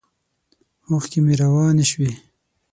اوښکې مې روانې شوې.